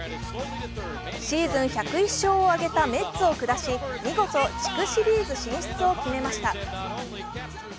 シーズン１０１勝を挙げたメッツを下し、見事、地区シリーズ進出を決めました。